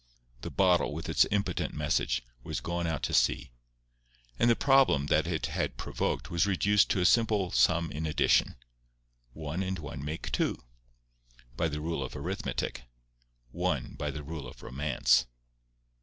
The bottle, with its impotent message, was gone out to sea, and the problem that it had provoked was reduced to a simple sum in addition—one and one make two, by the rule of arithmetic; one by the rule of romance.